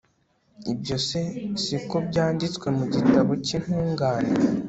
ibyo se, si ko byanditswe mu gitabo cy'intungane